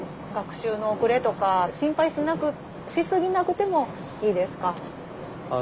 学習の遅れとか心配しなくしすぎなくてもいいですか？